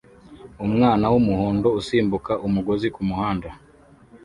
Umwana wumuhondo usimbuka umugozi kumuhanda